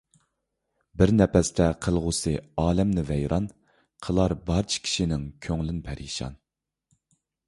بىر نەپەستە قىلغۇسى ئالەمنى ۋەيران، قىلار بارچە كىشىنىڭ كۆڭلىن پەرىشان.